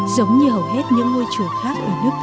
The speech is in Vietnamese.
giống như hầu hết những ngôi chùa khác